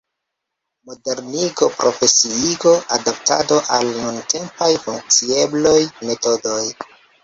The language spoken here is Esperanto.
Modernigo, profesiigo, adaptado al nuntempaj funkciebloj, metodoj.